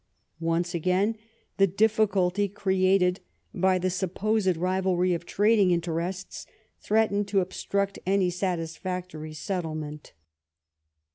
Once again the difficulty created by the supposed rivalry of trading interests threatened to obstruct any satisfactory set tlement.